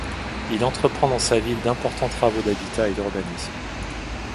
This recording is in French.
Il entreprend dans sa ville d'importants travaux d'habitat et d'urbanisme.